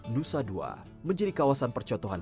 nusa dua menjadi kawasan percontohan